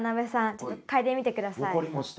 ちょっと嗅いでみて下さい。